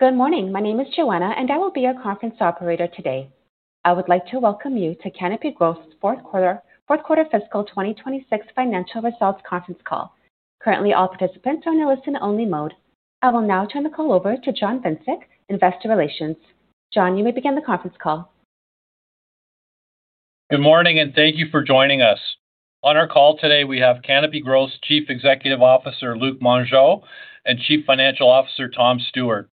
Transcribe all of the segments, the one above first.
Good morning. My name is Joanna, and I will be your conference operator today. I would like to welcome you to Canopy Growth's fourth quarter fiscal 2026 financial results conference call. Currently, all participants are in a listen-only mode. I will now turn the call over to John Vincic, investor relations. John, you may begin the conference call. Good morning, and thank you for joining us. On our call today, we have Canopy Growth's Chief Executive Officer, Luc Mongeau, and Chief Financial Officer, Tom Stewart.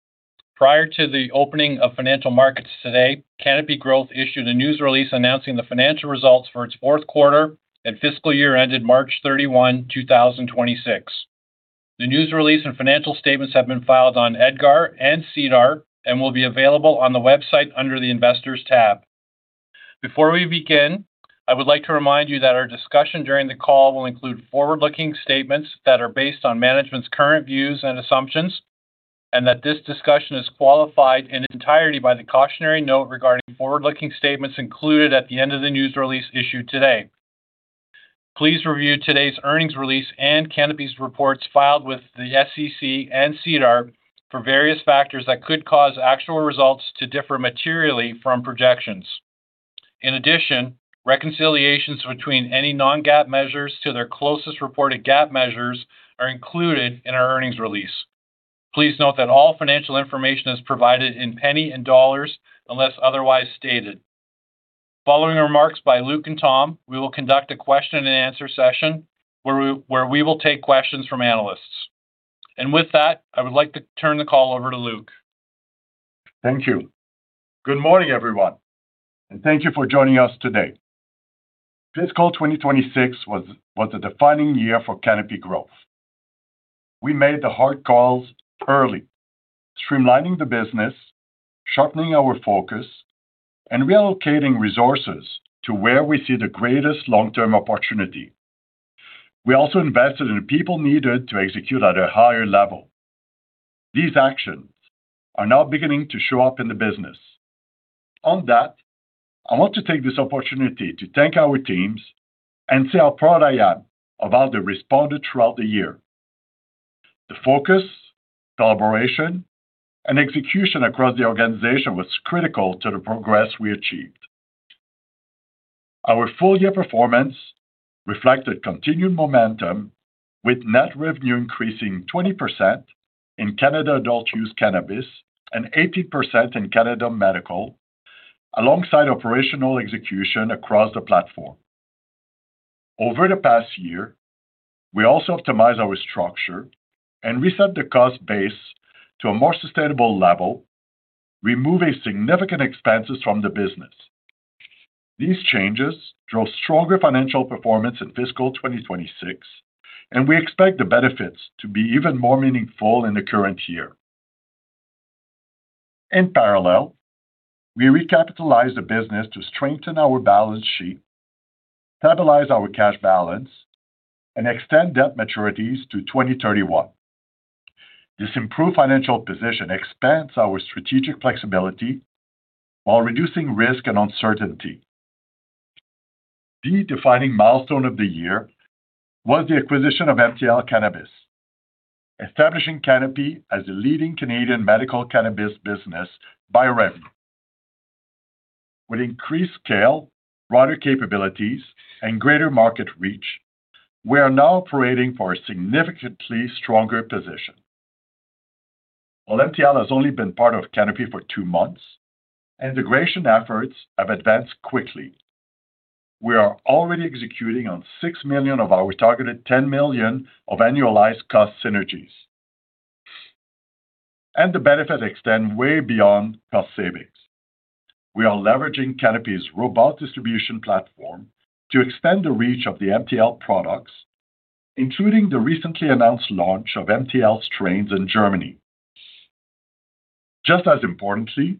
Prior to the opening of financial markets today, Canopy Growth issued a news release announcing the financial results for its fourth quarter and fiscal year ended March 31, 2026. The news release and financial statements have been filed on EDGAR and SEDAR and will be available on the website under the Investors tab. Before we begin, I would like to remind you that our discussion during the call will include forward-looking statements that are based on management's current views and assumptions, and that this discussion is qualified in entirety by the cautionary note regarding forward-looking statements included at the end of the news release issued today. Please review today's earnings release and Canopy's reports filed with the SEC and SEDAR for various factors that could cause actual results to differ materially from projections. In addition, reconciliations between any non-GAAP measures to their closest reported GAAP measures are included in our earnings release. Please note that all financial information is provided in penny and dollars unless otherwise stated. Following remarks by Luc and Tom, we will conduct a question and answer session, where we will take questions from analysts. With that, I would like to turn the call over to Luc. Thank you. Good morning, everyone, and thank you for joining us today. Fiscal 2026 was a defining year for Canopy Growth. We made the hard calls early, streamlining the business, sharpening our focus, and reallocating resources to where we see the greatest long-term opportunity. We also invested in people needed to execute at a higher level. These actions are now beginning to show up in the business. On that, I want to take this opportunity to thank our teams and say how proud I am of how they responded throughout the year. The focus, collaboration, and execution across the organization was critical to the progress we achieved. Our full-year performance reflected continued momentum, with net revenue increasing 20% in Canada adult-use cannabis and 18% in Canada medical, alongside operational execution across the platform. Over the past year, we also optimized our structure and reset the cost base to a more sustainable level, removing significant expenses from the business. These changes drove stronger financial performance in fiscal 2026, and we expect the benefits to be even more meaningful in the current year. In parallel, we recapitalized the business to strengthen our balance sheet, stabilize our cash balance, and extend debt maturities to 2031. This improved financial position expands our strategic flexibility while reducing risk and uncertainty. The defining milestone of the year was the acquisition of MTL Cannabis, establishing Canopy as the leading Canadian medical cannabis business by revenue. With increased scale, broader capabilities, and greater market reach, we are now operating for a significantly stronger position. While MTL has only been part of Canopy for two months, integration efforts have advanced quickly. We are already executing on 6 million of our targeted 10 million of annualized cost synergies. The benefits extend way beyond cost savings. We are leveraging Canopy's robust distribution platform to extend the reach of the MTL products, including the recently announced launch of MTL strains in Germany. Just as importantly,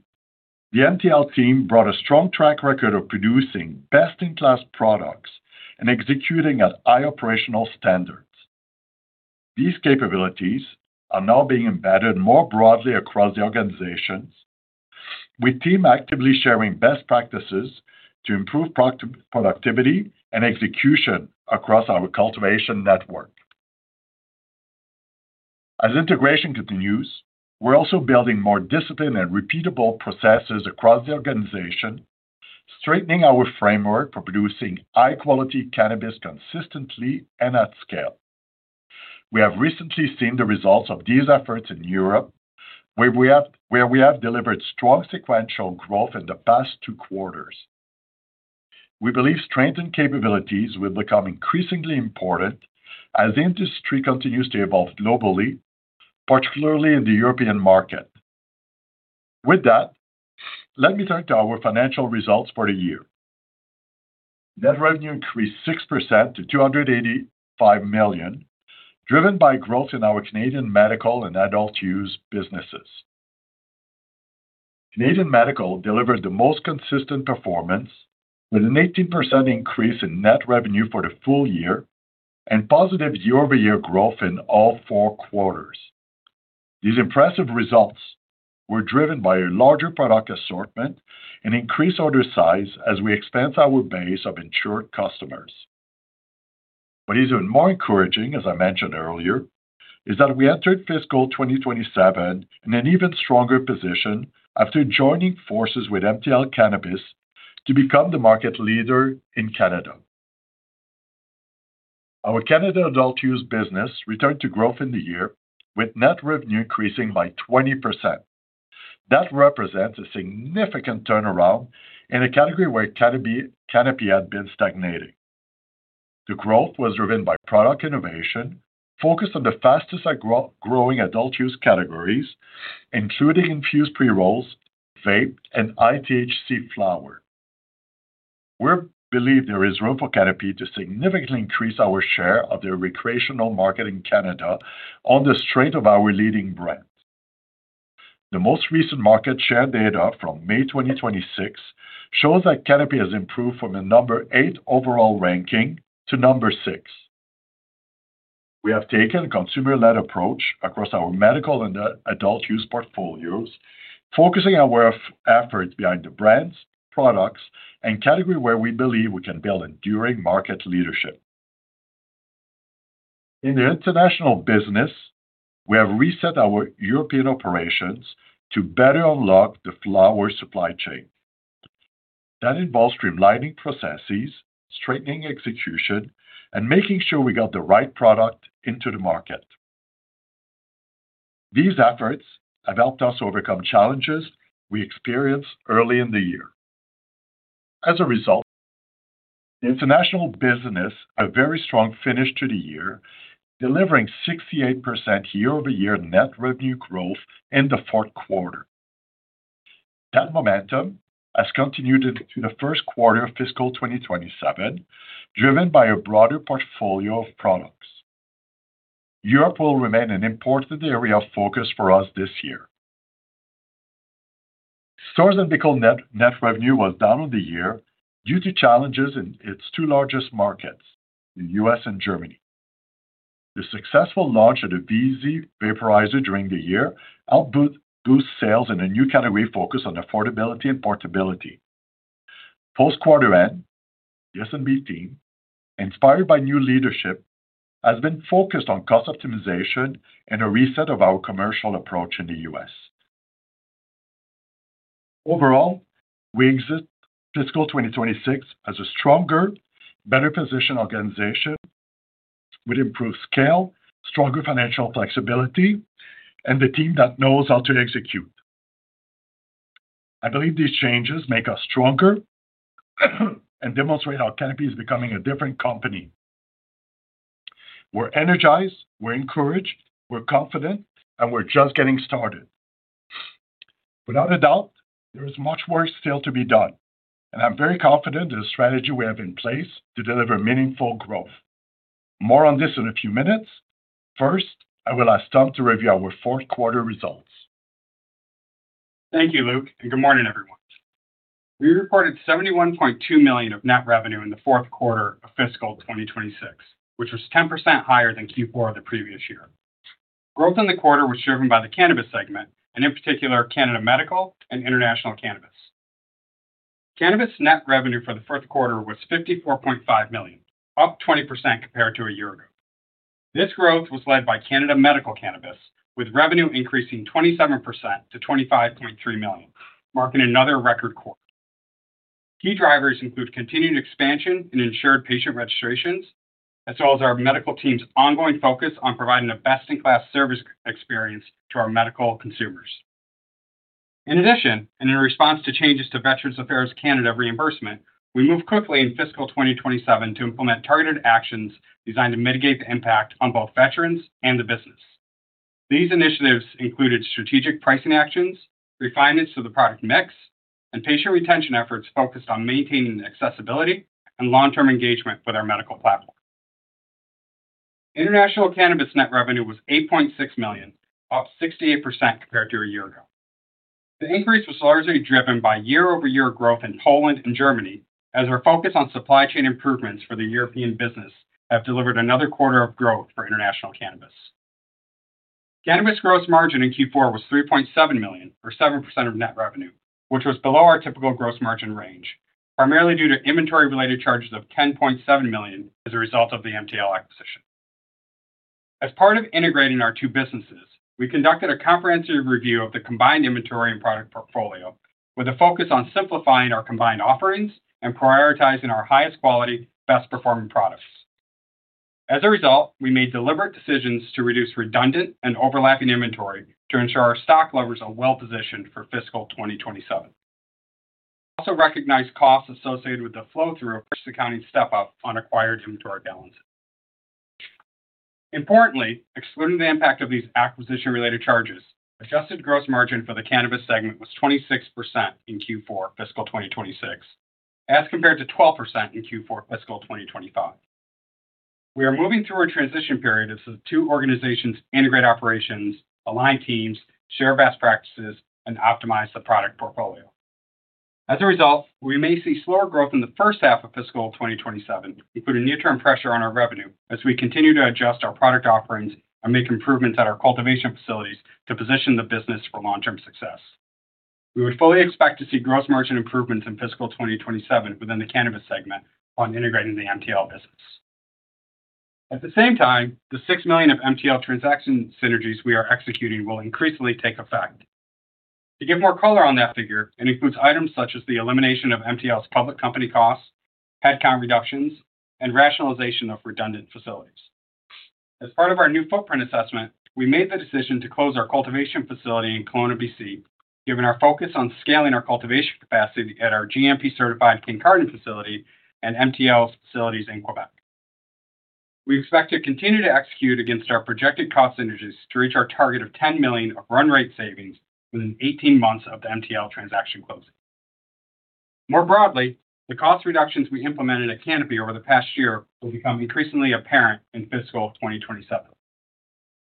the MTL team brought a strong track record of producing best-in-class products and executing at high operational standards. These capabilities are now being embedded more broadly across the organizations, with teams actively sharing best practices to improve productivity and execution across our cultivation network. As integration continues, we are also building more disciplined and repeatable processes across the organization, strengthening our framework for producing high-quality cannabis consistently and at scale. We have recently seen the results of these efforts in Europe, where we have delivered strong sequential growth in the past two quarters. We believe strengthened capabilities will become increasingly important as the industry continues to evolve globally, particularly in the European market. With that, let me turn to our financial results for the year. Net revenue increased 6% to 285 million, driven by growth in our Canadian medical and adult-use businesses. Canadian medical delivered the most consistent performance, with an 18% increase in net revenue for the full year and positive year-over-year growth in all four quarters. These impressive results were driven by a larger product assortment and increased order size as we expand our base of insured customers. What is even more encouraging, as I mentioned earlier, is that we entered fiscal 2027 in an even stronger position after joining forces with MTL Cannabis to become the market leader in Canada. Our Canada adult-use business returned to growth in the year, with net revenue increasing by 20%. That represents a significant turnaround in a category where Canopy had been stagnating. The growth was driven by product innovation, focused on the fastest-growing adult-use categories, including infused pre-rolls, vape, and THC flower. We believe there is room for Canopy to significantly increase our share of the recreational market in Canada on the strength of our leading brand. The most recent market share data from May 2026 shows that Canopy has improved from a number eight overall ranking to number six. We have taken a consumer-led approach across our medical and adult-use portfolios, focusing our efforts behind the brands, products, and categories where we believe we can build enduring market leadership. In the international business, we have reset our European operations to better unlock the flower supply chain. That involves streamlining processes, strengthening execution, and making sure we got the right product into the market. These efforts have helped us overcome challenges we experienced early in the year. As a result, the international business had a very strong finish to the year, delivering 68% year-over-year net revenue growth in the fourth quarter. That momentum has continued into the first quarter of fiscal 2027, driven by a broader portfolio of products. Europe will remain an important area of focus for us this year. Storz & Bickel net revenue was down on the year due to challenges in its two largest markets, the U.S. and Germany. The successful launch of the VEAZY vaporizer during the year helped boost sales in a new category focused on affordability and portability. Post quarter end, the S&B team, inspired by new leadership, has been focused on cost optimization and a reset of our commercial approach in the U.S. Overall, we exit fiscal 2026 as a stronger, better-positioned organization with improved scale, stronger financial flexibility, and a team that knows how to execute. I believe these changes make us stronger and demonstrate how Canopy is becoming a different company. We're energized, we're encouraged, we're confident, and we're just getting started. Without a doubt, there is much work still to be done, and I'm very confident in the strategy we have in place to deliver meaningful growth. More on this in a few minutes. First, I will ask Tom to review our fourth quarter results. Thank you, Luc, and good morning, everyone. We reported 71.2 million of net revenue in the fourth quarter of fiscal 2026, which was 10% higher than Q4 of the previous year. Growth in the quarter was driven by the cannabis segment, and in particular, Canada medical and international cannabis. Cannabis net revenue for the fourth quarter was 54.5 million, up 20% compared to a year ago. This growth was led by Canada medical cannabis, with revenue increasing 27% to 25.3 million, marking another record quarter. Key drivers include continued expansion in insured patient registrations, as well as our medical team's ongoing focus on providing a best-in-class service experience to our medical consumers. In addition, in response to changes to Veterans Affairs Canada reimbursement, we moved quickly in fiscal 2027 to implement targeted actions designed to mitigate the impact on both veterans and the business. These initiatives included strategic pricing actions, refinements to the product mix, and patient retention efforts focused on maintaining accessibility and long-term engagement with our medical platform. International cannabis net revenue was 8.6 million, up 68% compared to a year ago. The increase was largely driven by year-over-year growth in Poland and Germany, as our focus on supply chain improvements for the European business have delivered another quarter of growth for international cannabis. Cannabis gross margin in Q4 was 3.7 million, or 7% of net revenue, which was below our typical gross margin range, primarily due to inventory-related charges of 10.7 million as a result of the MTL acquisition. As part of integrating our two businesses, we conducted a comprehensive review of the combined inventory and product portfolio with a focus on simplifying our combined offerings and prioritizing our highest quality, best-performing products. As a result, we made deliberate decisions to reduce redundant and overlapping inventory to ensure our stock levels are well-positioned for fiscal 2027. We also recognized costs associated with the flow-through of first accounting step-up on acquired inventory balances. Importantly, excluding the impact of these acquisition-related charges, Adjusted gross margin for the cannabis segment was 26% in Q4 fiscal 2026, as compared to 12% in Q4 fiscal 2025. We are moving through a transition period as the two organizations integrate operations, align teams, share best practices, and optimize the product portfolio. As a result, we may see slower growth in the first half of fiscal 2027, including near-term pressure on our revenue as we continue to adjust our product offerings and make improvements at our cultivation facilities to position the business for long-term success. We would fully expect to see gross margin improvements in fiscal 2027 within the cannabis segment upon integrating the MTL business. At the same time, the 6 million of MTL transaction synergies we are executing will increasingly take effect. To give more color on that figure, it includes items such as the elimination of MTL's public company costs, headcount reductions, and rationalization of redundant facilities. As part of our new footprint assessment, we made the decision to close our cultivation facility in Kelowna, B.C., given our focus on scaling our cultivation capacity at our GMP-certified Kincardine facility and MTL's facilities in Quebec. We expect to continue to execute against our projected cost synergies to reach our target of 10 million of run rate savings within 18 months of the MTL transaction closing. More broadly, the cost reductions we implemented at Canopy over the past year will become increasingly apparent in fiscal 2027.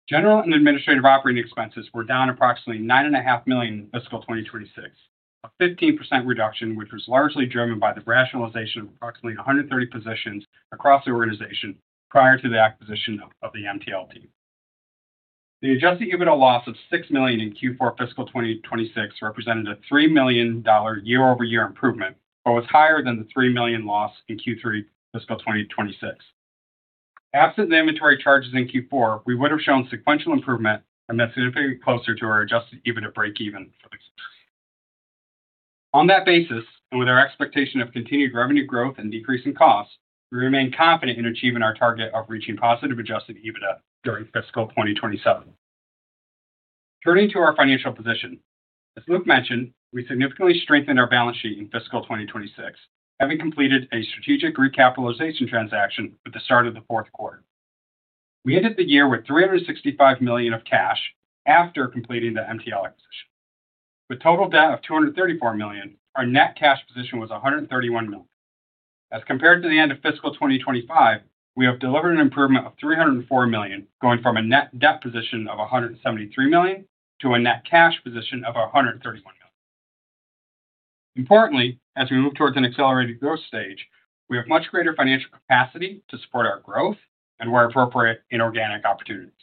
General and administrative operating expenses were down approximately 9.5 million in fiscal 2026, a 15% reduction, which was largely driven by the rationalization of approximately 130 positions across the organization prior to the acquisition of the MTL team. The Adjusted EBITDA loss of 6 million in Q4 fiscal 2026 represented a 3 million dollar year-over-year improvement, but was higher than the 3 million loss in Q3 fiscal 2026. Absent the inventory charges in Q4, we would have shown sequential improvement and significantly closer to our Adjusted EBITDA breakeven for the quarter. On that basis, and with our expectation of continued revenue growth and decrease in costs, we remain confident in achieving our target of reaching positive Adjusted EBITDA during fiscal 2027. Turning to our financial position. As Luc mentioned, we significantly strengthened our balance sheet in fiscal 2026, having completed a strategic recapitalization transaction with the start of the fourth quarter. We ended the year with 365 million of cash after completing the MTL acquisition. With total debt of 234 million, our net cash position was 131 million. As compared to the end of fiscal 2025, we have delivered an improvement of 304 million, going from a net debt position of 173 million to a net cash position of 131 million. Importantly, as we move towards an accelerated growth stage, we have much greater financial capacity to support our growth and, where appropriate, inorganic opportunities.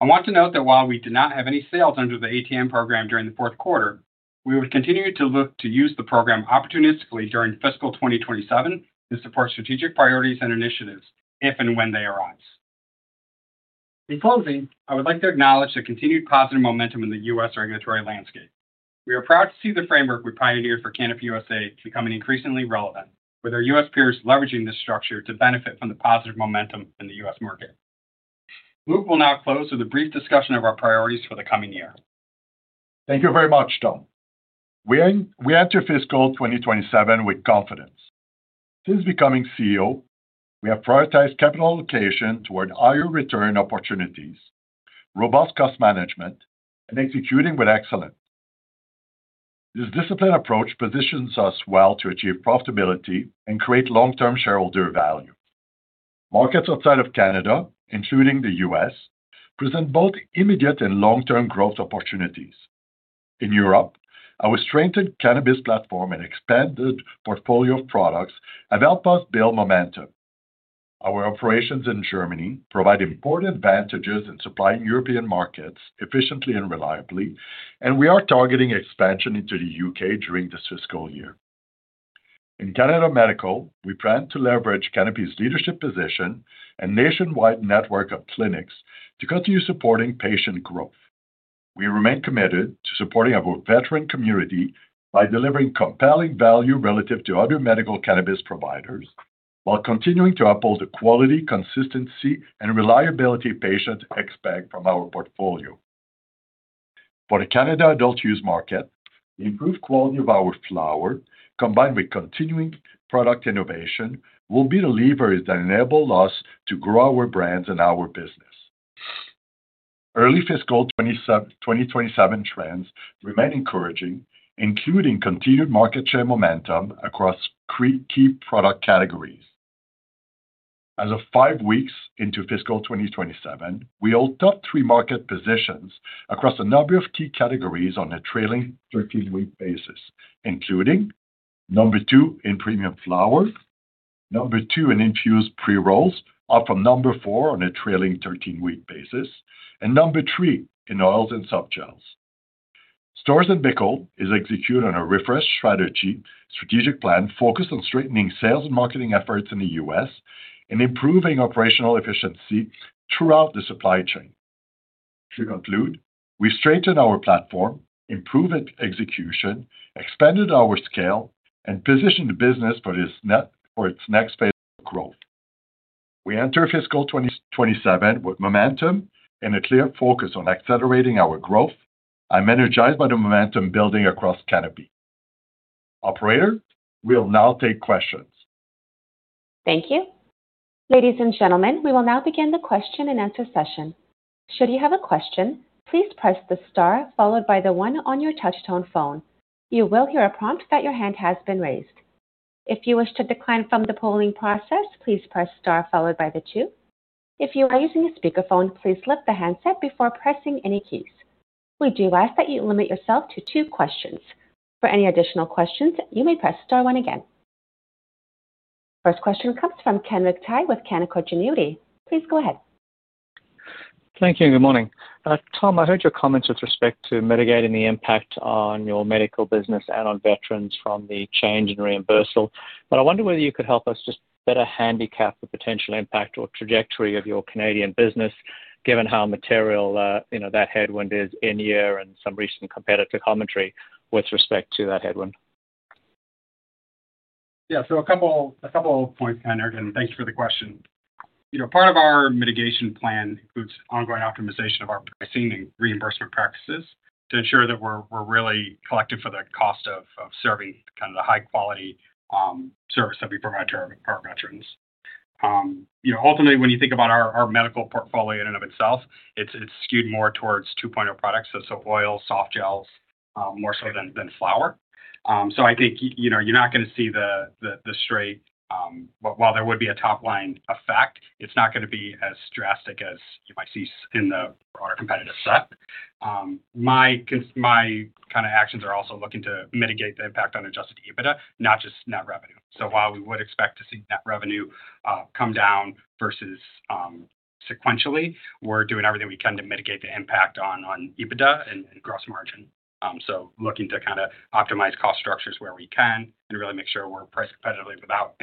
I want to note that while we did not have any sales under the ATM program during the fourth quarter, we would continue to look to use the program opportunistically during fiscal 2027 to support strategic priorities and initiatives if and when they arise. In closing, I would like to acknowledge the continued positive momentum in the U.S. regulatory landscape. We are proud to see the framework we pioneered for Canopy USA becoming increasingly relevant with our U.S. peers leveraging this structure to benefit from the positive momentum in the U.S. market. Luc will now close with a brief discussion of our priorities for the coming year. Thank you very much, Tom. We enter fiscal 2027 with confidence. Since becoming CEO, we have prioritized capital allocation toward higher return opportunities, robust cost management, and executing with excellence. This disciplined approach positions us well to achieve profitability and create long-term shareholder value. Markets outside of Canada, including the U.S., present both immediate and long-term growth opportunities. In Europe, our strengthened cannabis platform and expanded portfolio of products have helped us build momentum. Our operations in Germany provide important advantages in supplying European markets efficiently and reliably, and we are targeting expansion into the U.K. during this fiscal year. In Canada medical, we plan to leverage Canopy's leadership position and nationwide network of clinics to continue supporting patient growth. We remain committed to supporting our veteran community by delivering compelling value relative to other medical cannabis providers while continuing to uphold the quality, consistency, and reliability patients expect from our portfolio. For the Canada adult-use market, the improved quality of our flower, combined with continuing product innovation, will be the levers that enable us to grow our brands and our business. Early fiscal 2027 trends remain encouraging, including continued market share momentum across key product categories. As of five weeks into fiscal 2027, we hold top three market positions across a number of key categories on a trailing 13-week basis, including number two in premium flower, number two in infused pre-rolls, up from number four on a trailing 13-week basis, and number three in oils and softgels. Storz & Bickel is executing on a refreshed strategic plan focused on strengthening sales and marketing efforts in the U.S. and improving operational efficiency throughout the supply chain. To conclude, we strengthened our platform, improved execution, expanded our scale, and positioned the business for its next phase of growth. We enter fiscal 2027 with momentum and a clear focus on accelerating our growth. I'm energized by the momentum building across Canopy. Operator, we'll now take questions. Thank you. Ladies and gentlemen, we will now begin the question-and-answer session. Should you have a question, please press the star followed by the one on your touchtone phone. You will hear a prompt that your hand has been raised. If you wish to decline from the polling process, please press star followed by the two. If you are using a speakerphone, please lift the handset before pressing any keys. We do ask that you limit yourself to two questions. For any additional questions, you may press star one again. First question comes from Kenric Tyghe with Canaccord Genuity. Please go ahead. Thank you, and good morning. Tom, I heard your comments with respect to mitigating the impact on your medical business and on veterans from the change in reimbursement. I wonder whether you could help us just better handicap the potential impact or trajectory of your Canadian business, given how material that headwind is in year and some recent competitive commentary with respect to that headwind. A couple of points, Kenric, and thanks for the question. Part of our mitigation plan includes ongoing optimization of our pricing and reimbursement practices to ensure that we're really collecting for the cost of serving the high-quality service that we provide to our veterans. Ultimately, when you think about our medical portfolio in and of itself, it's skewed more towards 2.0 products, soft oils, softgels more so than flower. I think you're not going to see the While there would be a top-line effect, it's not going to be as drastic as you might see in the broader competitive set. My actions are also looking to mitigate the impact on Adjusted EBITDA, not just net revenue. While we would expect to see net revenue come down versus sequentially, we're doing everything we can to mitigate the impact on EBITDA and gross margin. Looking to optimize cost structures where we can and really make sure we're priced competitively without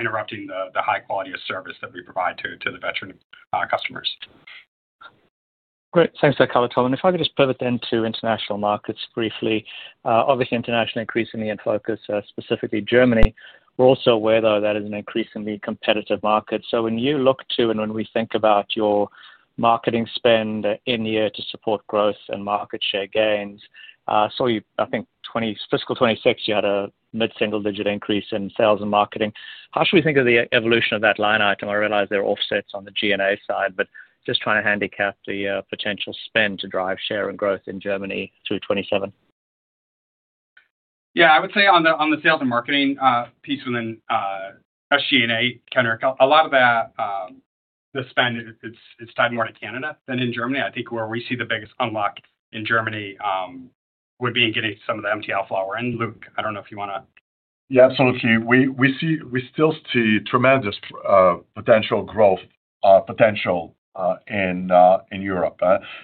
interrupting the high quality of service that we provide to the veteran customers. Great. Thanks for that color, Tom. If I could just pivot then to international markets briefly. Obviously, international increasingly in focus, specifically Germany. We're also aware, though, that is an increasingly competitive market. When you look, when we think about your marketing spend in the year to support growth and market share gains, I saw you, I think FY 2026, you had a mid-single-digit increase in sales and marketing. How should we think of the evolution of that line item? I realize there are offsets on the G&A side, just trying to handicap the potential spend to drive share and growth in Germany through 2027. I would say on the sales and marketing piece within SG&A, Matt Bottomley, a lot of the spend is tied more to Canada than in Germany. I think where we see the biggest unlock in Germany would be in getting some of the MTL flower in. Luc, I don't know if you want to Absolutely. We still see tremendous growth potential in Europe.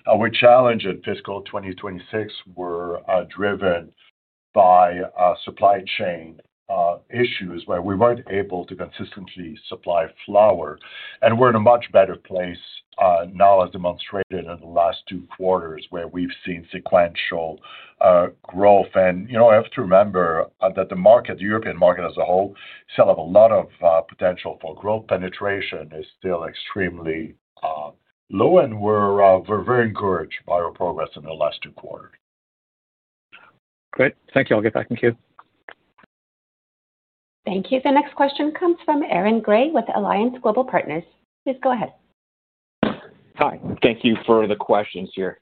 Our challenge at FY 2026 were driven by supply chain issues where we weren't able to consistently supply flower. We're in a much better place now as demonstrated in the last two quarters where we've seen sequential growth. You have to remember that the European market as a whole still have a lot of potential for growth. Penetration is still extremely low, and we're very encouraged by our progress in the last two quarters. Great. Thank you. I'll give back in queue. Thank you. The next question comes from Aaron Grey with Alliance Global Partners. Please go ahead. Hi. Thank you for the questions here.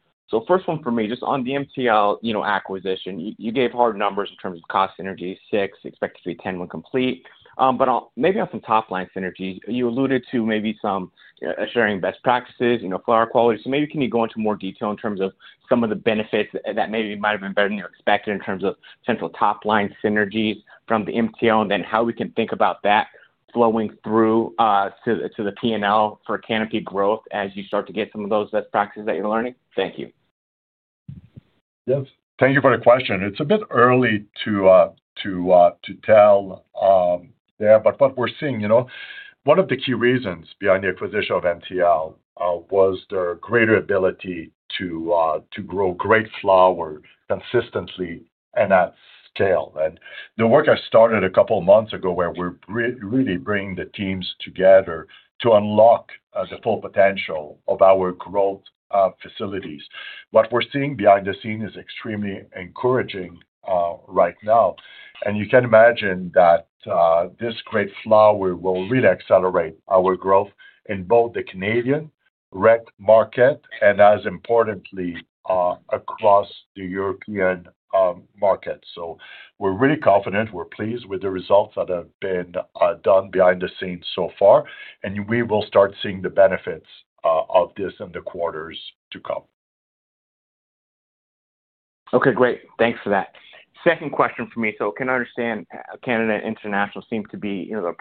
First one for me, just on the MTL acquisition, you gave hard numbers in terms of cost synergies, six, expect it to be 10 when complete. Maybe on some top-line synergies, you alluded to maybe some sharing best practices, flower quality. Maybe can you go into more detail in terms of some of the benefits that maybe might have been better than you expected in terms of central top-line synergies from the MTL? And then how we can think about that flowing through to the P&L for Canopy Growth as you start to get some of those best practices that you're learning. Thank you. Yes. Thank you for the question. It's a bit early to tell there. What we're seeing, one of the key reasons behind the acquisition of MTL was their greater ability to grow great flower consistently and at scale. The work I started a couple of months ago, where we're really bringing the teams together to unlock the full potential of our growth facilities. What we're seeing behind the scene is extremely encouraging right now. You can imagine that this great flower will really accelerate our growth in both the Canadian rec market and as importantly, across the European market. We're really confident, we're pleased with the results that have been done behind the scenes so far, and we will start seeing the benefits of this in the quarters to come. Okay, great. Thanks for that. Second question for me. Can I understand Canada International seems to be the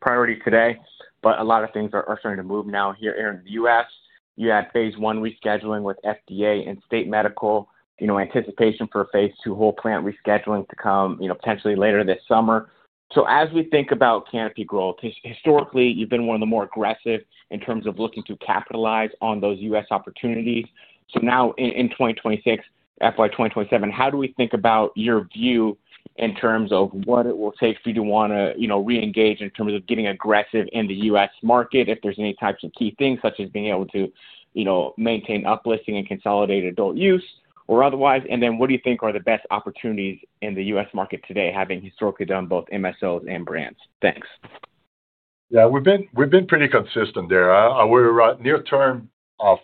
priority today, but a lot of things are starting to move now here in the U.S. You had phase I rescheduling with FDA and state medical, anticipation for phase II whole plant rescheduling to come, potentially later this summer. As we think about Canopy Growth, historically, you've been one of the more aggressive in terms of looking to capitalize on those U.S. opportunities. Now in FY 2027, how do we think about your view in terms of what it will take for you to want to reengage in terms of getting aggressive in the U.S. market, if there's any types of key things such as being able to maintain uplisting and consolidate adult use or otherwise? What do you think are the best opportunities in the U.S. market today, having historically done both MSOs and brands? Thanks. Yeah. We've been pretty consistent there. Our near-term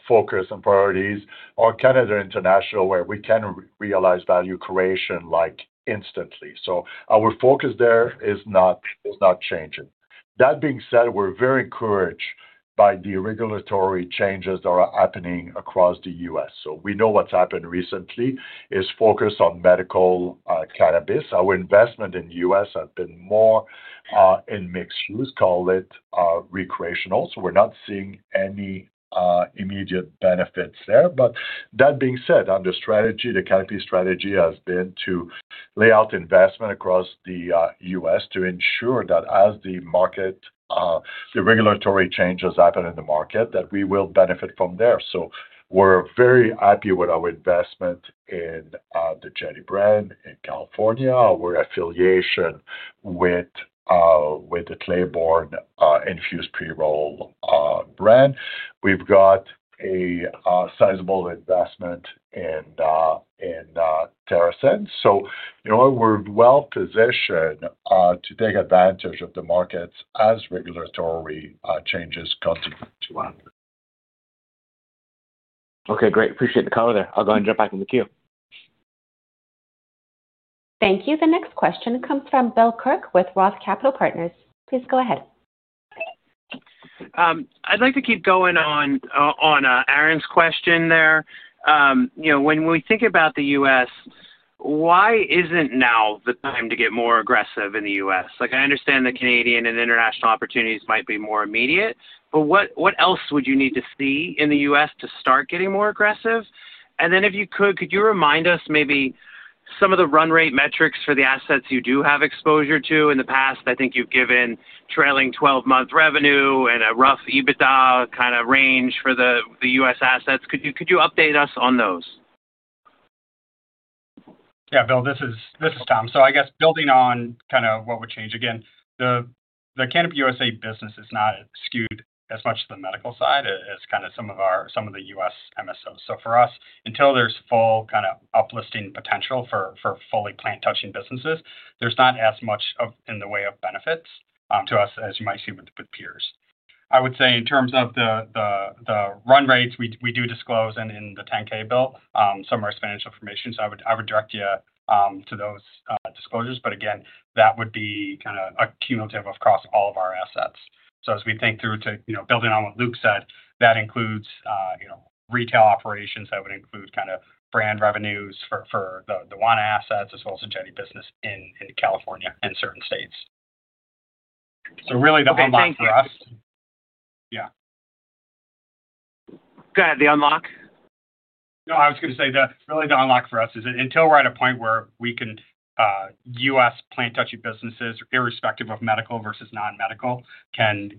focus and priorities are Canada International, where we can realize value creation instantly. Our focus there is not changing. That being said, we're very encouraged by the regulatory changes that are happening across the U.S. We know what's happened recently is focused on medical cannabis. Our investment in the U.S. has been more in mixed use, call it recreational. We're not seeing any immediate benefits there. That being said, under strategy, the Canopy strategy has been to lay out investment across the U.S. to ensure that as the regulatory changes happen in the market, that we will benefit from there. We're very happy with our investment in the Jetty brand in California, our affiliation with the Claybourne infused pre-roll brand. We've got a sizable investment in TerrAscend. In all, we're well-positioned to take advantage of the markets as regulatory changes continue to happen. Okay, great. Appreciate the color there. I'll go ahead and jump back in the queue. Thank you. The next question comes from Bill Kirk with ROTH Capital Partners. Please go ahead. I'd like to keep going on Aaron's question there. When we think about the U.S., why isn't now the time to get more aggressive in the U.S.? I understand the Canadian and international opportunities might be more immediate, but what else would you need to see in the U.S. to start getting more aggressive? Then if you could you remind us maybe some of the run rate metrics for the assets you do have exposure to in the past? I think you've given trailing 12-month revenue and a rough EBITDA kind of range for the U.S. assets. Could you update us on those? Yeah, Bill, this is Tom. I guess building on kind of what would change, again, the Canopy USA business is not skewed as much to the medical side as some of the U.S. MSOs. For us, until there's full kind of up-listing potential for fully plant-touching businesses, there's not as much in the way of benefits to us as you might see with peers. I would say in terms of the run rates, we do disclose in the 10-K, Bill, some of our financial information. I would direct you to those disclosures, but again, that would be a cumulative across all of our assets. As we think through to building on what Luc said, that includes retail operations, that would include brand revenues for the Wana assets, as well as the Jetty business in California and certain states. Really the unlock for us Okay, thank you. Yeah. Go ahead. The unlock? No, I was going to say really the unlock for us is until we're at a point where we can, U.S. plant-touching businesses, irrespective of medical versus non-medical, can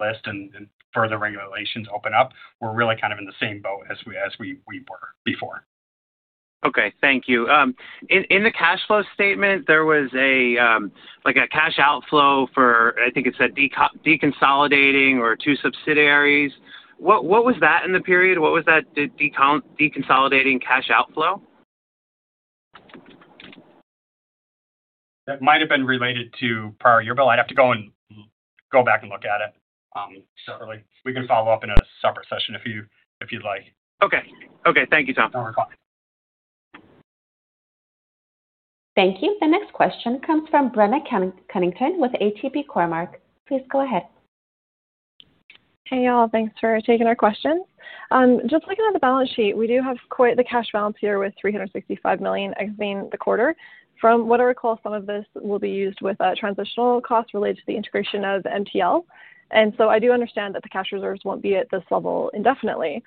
list and further regulations open up, we're really kind of in the same boat as we were before. Okay, thank you. In the cash flow statement, there was a cash outflow for, I think it said, deconsolidating or two subsidiaries. What was that in the period? What was that deconsolidating cash outflow? That might have been related to prior year, Bill. I'd have to go back and look at it separately. We can follow up in a separate session if you'd like. Okay. Thank you, Tom. No, we're fine. Thank you. The next question comes from Brenna Cunnington with ATB Capital Markets. Please go ahead. Hey, y'all. Thanks for taking our questions. Just looking at the balance sheet, we do have quite the cash balance here with 365 million exiting the quarter. From what I recall, some of this will be used with transitional costs related to the integration of MTL, and so I do understand that the cash reserves won't be at this level indefinitely,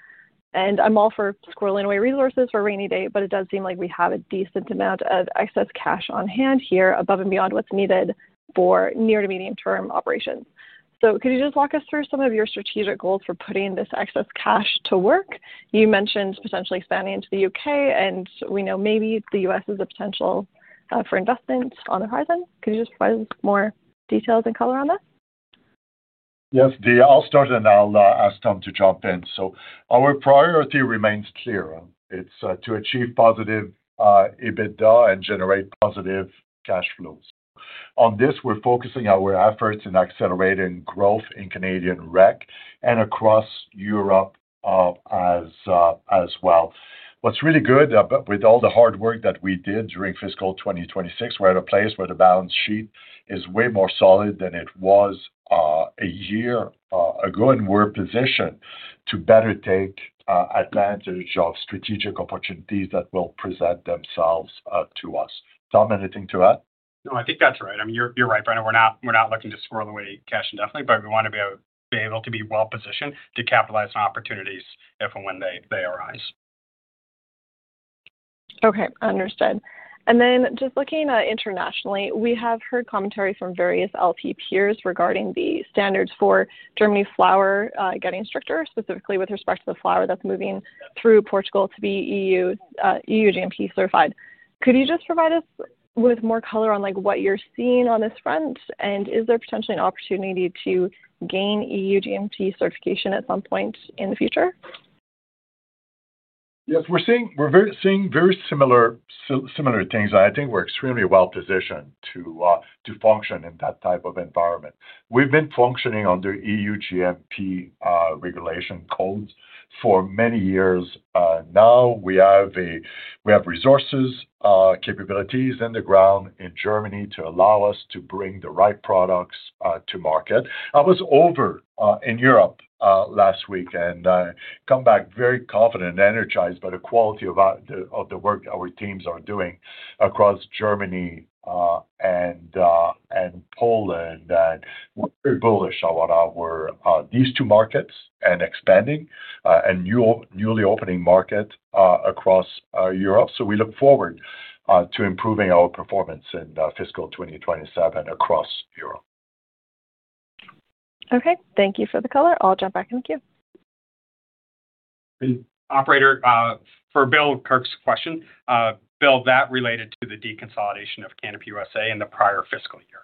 and I'm all for squirreling away resources for a rainy day, but it does seem like we have a decent amount of excess cash on hand here above and beyond what's needed for near to medium-term operations. Could you just walk us through some of your strategic goals for putting this excess cash to work? You mentioned potentially expanding into the U.K., and we know maybe the U.S. is a potential for investment on the horizon. Could you just provide us with more details and color on that? Yes, I'll start and then I'll ask Tom to jump in. Our priority remains clear. It's to achieve positive EBITDA and generate positive cash flows. On this, we're focusing our efforts in accelerating growth in Canadian rec and across Europe as well. What's really good with all the hard work that we did during fiscal 2026, we're at a place where the balance sheet is way more solid than it was a year ago, and we're positioned to better take advantage of strategic opportunities that will present themselves to us. Tom, anything to add? No, I think that's right. I mean, you're right, Brenna. We're not looking to squirrel away cash indefinitely, but we want to be able to be well-positioned to capitalize on opportunities if and when they arise. Okay, understood. Just looking internationally, we have heard commentary from various LP peers regarding the standards for Germany flower getting stricter, specifically with respect to the flower that's moving through Portugal to be EU GMP certified. Could you just provide us with more color on what you're seeing on this front, and is there potentially an opportunity to gain EU GMP certification at some point in the future? Yes, we're seeing very similar things. I think we're extremely well-positioned to function in that type of environment. We've been functioning under EU GMP regulation codes for many years now, we have resources, capabilities on the ground in Germany to allow us to bring the right products to market. I was over in Europe last week and I come back very confident and energized by the quality of the work our teams are doing across Germany and Poland. We're very bullish about these two markets and expanding, and newly opening market across Europe. We look forward to improving our performance in fiscal 2027 across Europe. Okay. Thank you for the color. I'll jump back in the queue. Operator, for Bill Kirk's question, Bill, that related to the deconsolidation of Canopy USA in the prior fiscal year.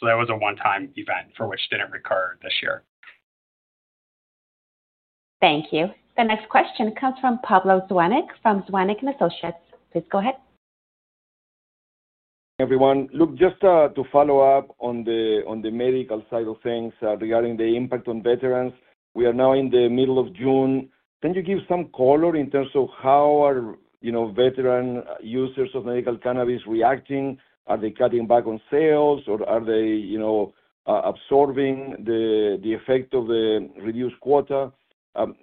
That was a one-time event for which didn't recur this year. Thank you. The next question comes from Pablo Zuanic from Zuanic & Associates. Please go ahead. Everyone, Luc, just to follow up on the medical side of things, regarding the impact on veterans. We are now in the middle of June. Can you give some color in terms of how are veteran users of medical cannabis reacting? Are they cutting back on sales, or are they absorbing the effect of the reduced quota?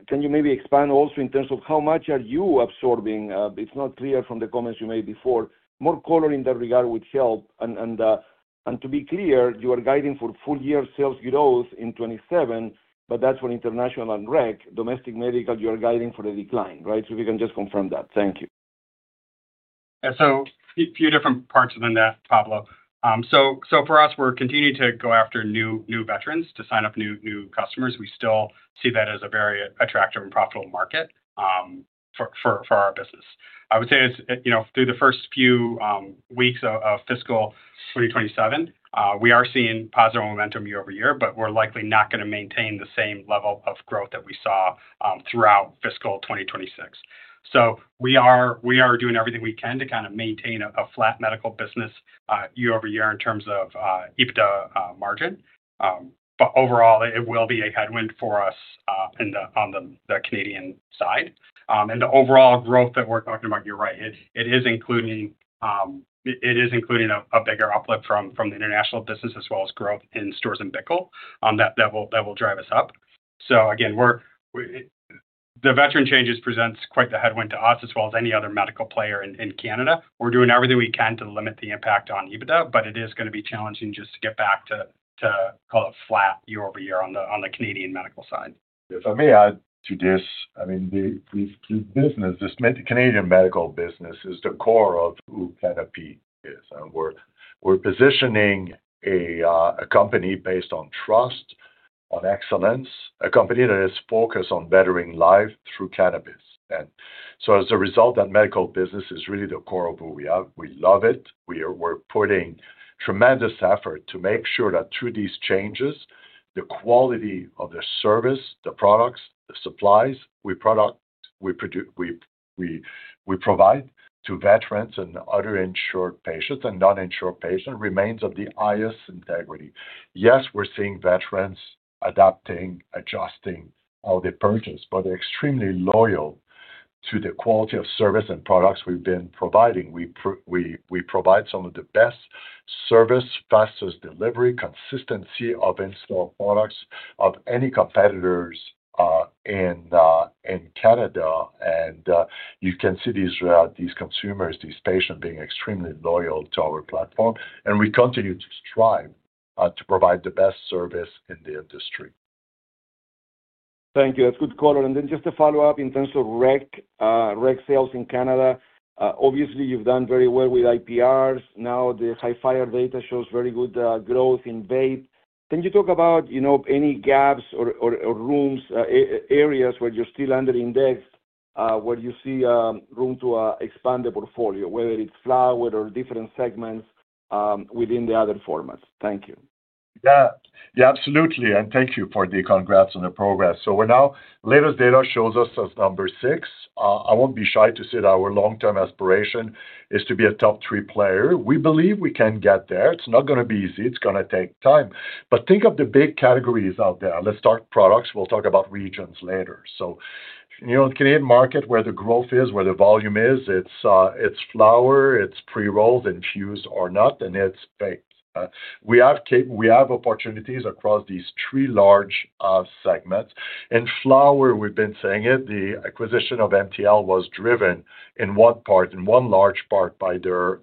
Can you maybe expand also in terms of how much are you absorbing? It's not clear from the comments you made before. More color in that regard would help. To be clear, you are guiding for full year sales growth in 2027, but that's for international and rec. Domestic medical, you are guiding for a decline, right? If you can just confirm that. Thank you. Yeah. A few different parts within that, Pablo. For us, we're continuing to go after new veterans to sign up new customers. We still see that as a very attractive and profitable market for our business. I would say through the first few weeks of fiscal 2027, we are seeing positive momentum year-over-year, but we're likely not going to maintain the same level of growth that we saw throughout fiscal 2026. We are doing everything we can to kind of maintain a flat medical business year-over-year in terms of EBITDA margin. Overall, it will be a headwind for us on the Canadian side. The overall growth that we're talking about, you're right, it is including a bigger uplift from the international business as well as growth in Storz & Bickel that will drive us up. Again, the veteran changes presents quite the headwind to us as well as any other medical player in Canada. We're doing everything we can to limit the impact on EBITDA, but it is going to be challenging just to get back to call it flat year-over-year on the Canadian medical side. If I may add to this Canadian medical business is the core of who Canopy is, we're positioning a company based on trust, on excellence, a company that is focused on bettering life through cannabis. As a result, that medical business is really the core of who we are. We love it. We're putting tremendous effort to make sure that through these changes, the quality of the service, the products, the supplies, we provide to veterans and other insured patients and non-insured patients, remains of the highest integrity. Yes, we're seeing veterans adapting, adjusting how they purchase, but they're extremely loyal to the quality of service and products we've been providing. We provide some of the best service, fastest delivery, consistency of in-store products, of any competitors in Canada. You can see these consumers, these patients, being extremely loyal to our platform. We continue to strive to provide the best service in the industry. Thank you. That's good color. Just to follow up in terms of rec sales in Canada. Obviously, you've done very well with IPRs. Now the Hifyre data shows very good growth in vape. Can you talk about any gaps or areas where you're still under indexed, where you see room to expand the portfolio, whether it's flower or different segments within the other formats? Thank you. Absolutely, thank you for the congrats on the progress. We're now, latest data shows us as number six. I won't be shy to say that our long-term aspiration is to be a top three player. We believe we can get there. It's not going to be easy. It's going to take time. Think of the big categories out there. Let's start products. We'll talk about regions later. In the Canadian market, where the growth is, where the volume is, it's flower, it's pre-rolled, infused or not, and it's vape. We have opportunities across these three large segments. In flower, we've been saying it, the acquisition of MTL was driven in one part, in one large part by their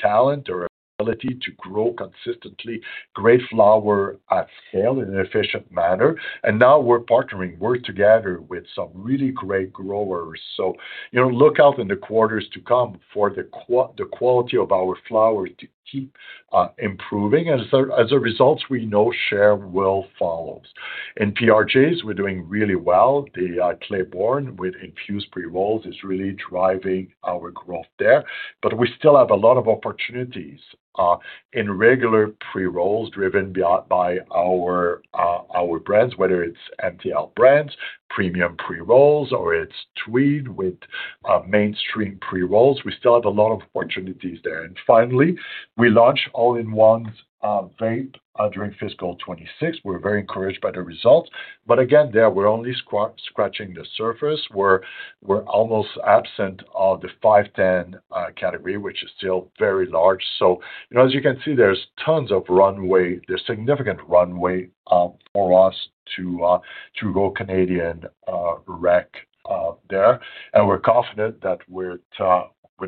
talent, their ability to grow consistently great flower at scale in an efficient manner. Now we're partnering, we're together with some really great growers. Look out in the quarters to come for the quality of our flower to keep improving. As a result, we know share will follow. In PRJs, we're doing really well. The Claybourne with infused pre-rolls is really driving our growth there. We still have a lot of opportunities in regular pre-rolls driven by our brands, whether it's MTL brands, premium pre-rolls, or it's Tweed with mainstream pre-rolls. We still have a lot of opportunities there. Finally, we launched all-in-one vape during fiscal 2026. We're very encouraged by the results. Again, there, we're only scratching the surface. We're almost absent of the 510 category, which is still very large. As you can see, there's tons of runway. There's significant runway for us to grow Canadian rec there. We're confident that with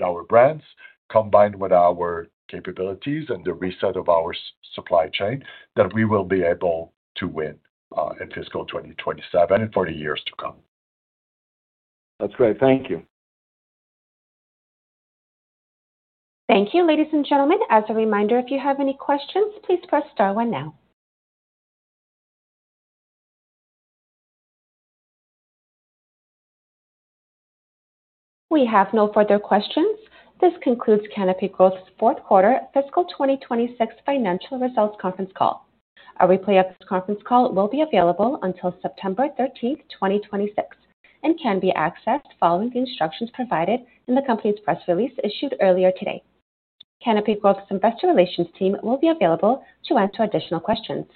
our brands, combined with our capabilities and the reset of our supply chain, that we will be able to win in fiscal 2027 and for the years to come. That's great. Thank you. Thank you, ladies and gentlemen. As a reminder, if you have any questions, please press star one now. We have no further questions. This concludes Canopy Growth's fourth quarter fiscal 2026 financial results conference call. A replay of this conference call will be available until September 13th, 2026, and can be accessed following the instructions provided in the company's press release issued earlier today. Canopy Growth's investor relations team will be available to answer additional questions.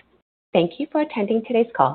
Thank you for attending today's call.